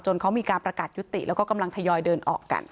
เขามีการประกาศยุติแล้วก็กำลังทยอยเดินออกกัน